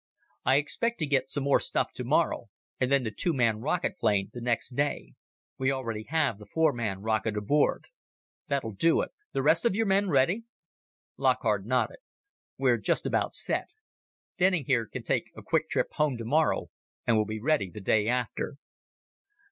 "I expect to get some more stuff tomorrow, and then the two man rocket plane the next day. We already have the four man rocket aboard. That'll do it. The rest of your men ready?" Lockhart nodded. "We're just about set. Denning here can take a quick trip home tomorrow, and we'll be ready the day after."